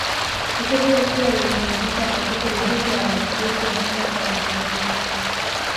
Tukio hilo pia lilisababisha apoteze ujumbe wa halmashauri kuu ya chama cha mapinduzi